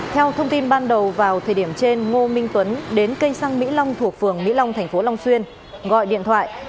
theo thông tin ban đầu vào thời điểm trên ngô minh tuấn đến cây xăng mỹ long thuộc phường mỹ long thành phố long xuyên gọi điện thoại